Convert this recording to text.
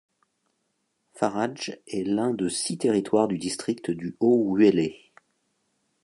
Faradje est l'un de six territoires du District du Haut-Uélé.